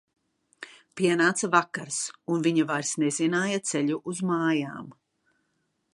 Pienāca vakars, un viņa vairs nezināja ceļu uz mājām.